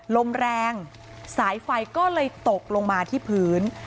ลมแรงสายไฟก็เลยตกลงมาที่พื้น